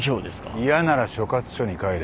嫌なら所轄署に帰れ。